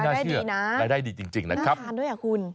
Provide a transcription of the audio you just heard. รายได้ดีนะรายได้ดีจริงนะครับน่าทานด้วยหรอคุณ